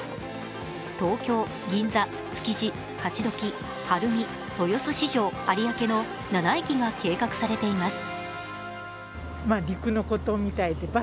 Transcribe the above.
東京、銀座、築地、勝どき、晴海、豊洲市場、有明の７駅が計画されています。